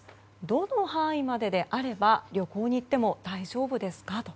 どの範囲までであれば旅行に行っても大丈夫ですかと。